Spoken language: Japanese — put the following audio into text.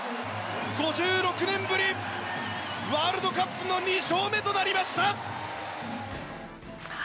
５６年ぶり、ワールドカップの２勝目となりました！